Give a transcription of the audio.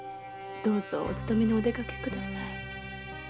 お勤めにお出かけください。